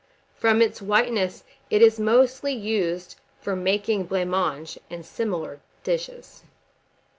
From its whiteness it is mostly used for making blanc mange and similar dishes.